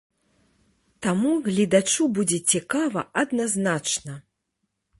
Таму гледачу будзе цікава адназначна!